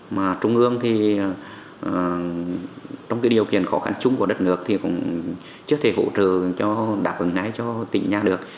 mà trung ương thì trong cái điều kiện khó khăn chung của đất nước thì cũng chưa thể hỗ trợ cho đáp ứng ngay cho tỉnh nhà được